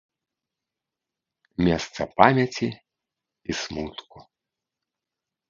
Месца памяці і смутку.